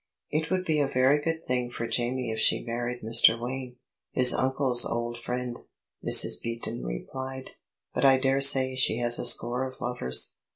"It would be a very good thing for Jamie if she married Mr. Wayne, his uncle's old friend," Mrs. Beaton replied. "But I daresay she has a score of lovers.